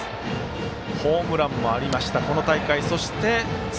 ホームランもありました、今大会。